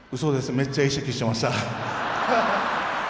めっちゃ意識していました。